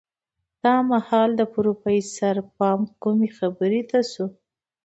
دا مهال د پروفيسر پام کومې خبرې ته شو.